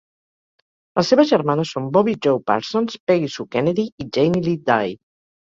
Les seves germanes són Bobbi Jo Parsons, Peggy Sue Kennedy i Janie Lee Dye.